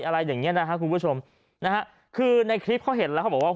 อะไรอย่างเงี้นะฮะคุณผู้ชมนะฮะคือในคลิปเขาเห็นแล้วเขาบอกว่า